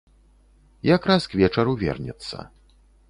Якраз к вечару вернецца.